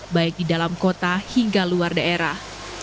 baik di dalam kota hingga luar daerah